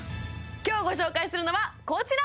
今日ご紹介するのはこちら！